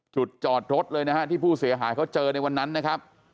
จอดรถเลยนะฮะที่ผู้เสียหายเขาเจอในวันนั้นนะครับ